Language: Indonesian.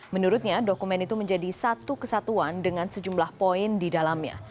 menurutnya dokumen itu menjadi satu kesatuan dengan sejumlah poin di dalamnya